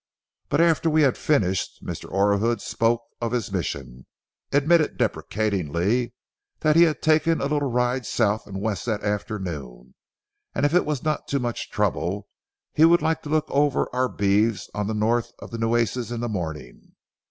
But after we had finished Mr. Orahood spoke of his mission, admitted deprecatingly that he had taken a little ride south and west that afternoon, and if it was not too much trouble he would like to look over our beeves on the north of the Nueces in the morning.